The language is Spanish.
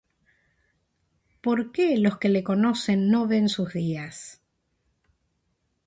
¿Por qué los que le conocen no ven sus días?